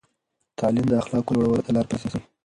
تعلیم د اخلاقو لوړولو ته لار پرانیزي.